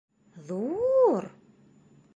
— Ҙу-у-ур?